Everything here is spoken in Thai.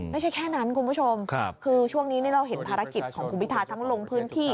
ไม่ใช่แค่นั้นคุณผู้ชมคือช่วงนี้เราเห็นภารกิจของคุณพิทาทั้งลงพื้นที่